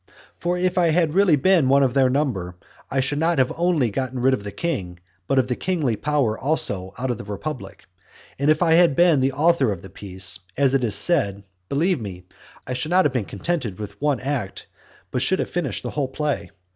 For if I had really been one of their number, I should have not only got rid of the king, but of the kingly power also out of the republic; and if I had been the author of the piece, as it is said, believe me, I should not have been contented with one act, but should have finished the whole play.